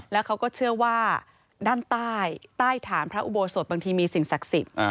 แล้วเขาก็เชื่อว่าด้านใต้ใต้ฐานพระอุโบสถบางทีมีสิ่งศักดิ์สิทธิ์